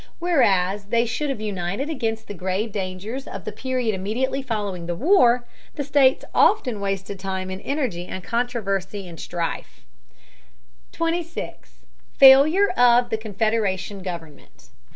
Whereas they should have united against the grave dangers of the period immediately following the war, the states often wasted time and energy in controversy and strife. 26. FAILURE OF THE CONFEDERATION GOVERNMENT.